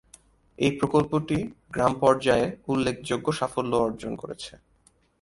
এই প্রকল্পটি গ্রাম পর্যায়ে উল্লেখযোগ্য সাফল্য অর্জন করেছে।